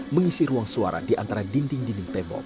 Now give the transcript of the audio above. mengisi ruang suara diantara dinding dinding tembok